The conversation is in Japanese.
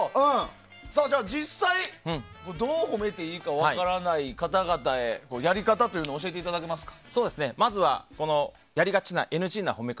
じゃあ、実際どう褒めていいか分からない方々へやり方というのを教えていただけますか。